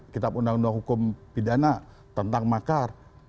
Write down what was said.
kitab undang undang hukum pidana tentang makar